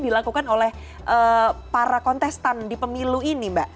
dilakukan oleh para kontestan di pemilu ini mbak